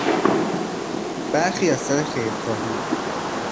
برخی از سر خیر خواهی،